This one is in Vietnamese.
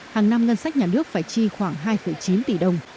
hàng năm ngân sách nhà nước phải chi khoảng hai chín tỷ đồng